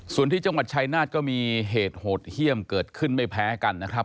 ส่วนที่จังหวัดชายนาฏก็มีเหตุโหดเยี่ยมเกิดขึ้นไม่แพ้กันนะครับ